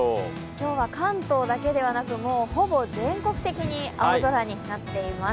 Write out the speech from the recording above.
今日は関東だけではなくほぼ全国的に青空になっています。